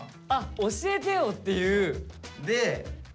教えてよっていう。